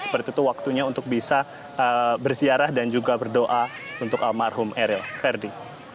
seperti itu waktunya untuk bisa bersiarah dan juga berdoa untuk almarhum eril ferdi